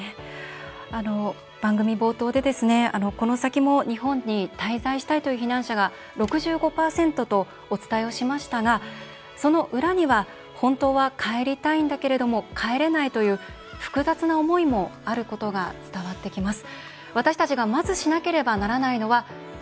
番組冒頭で、この先も日本に滞在したい避難者が６５％とお伝えをしましたがその裏には「本当は帰りたいけど帰れない」という複雑な思いもあることが伝わってきます。